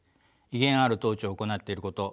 威厳ある統治を行っていること